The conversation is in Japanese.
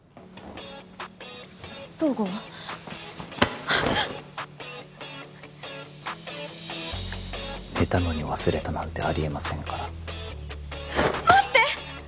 東郷寝たのに忘れたなんてありえませんから待って！